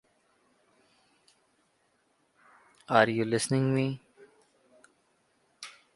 Their appeal was denied.